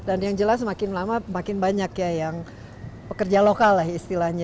dan yang jelas makin lama makin banyak ya yang pekerja lokal lah istilahnya